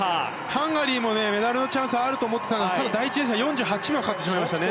ハンガリーもメダルのチャンスはあると思ってたんですけど第１泳者が４８秒かかってしまいましたね。